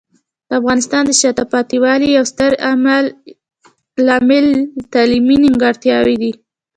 د افغانستان د شاته پاتې والي یو ستر عامل تعلیمي نیمګړتیاوې دي.